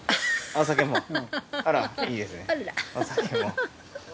あらいいですね。